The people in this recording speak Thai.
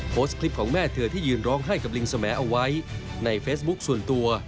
โพสต์คลิปของแม่เธอที่ยืนร้องไห้กับลิงสมแอเอาไว้ในเฟซบุ๊คส่วนตัว